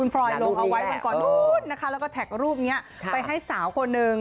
ฟรอยลงเอาไว้ก่อนนู้นนะคะแล้วก็แท็กรูปนี้ไปให้สาวคนหนึ่ง